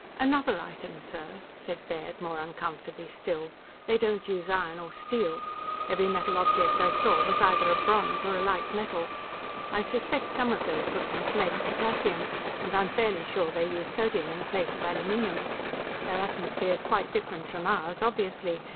"Another item, sir," said Baird more uncomfortably still. "They don't use iron or steel. Every metal object I saw was either a bronze or a light metal. I suspect some of their equipment's made of potassium, and I'm fairly sure they use sodium in the place of aluminum. Their atmosphere's quite different from ours obviously!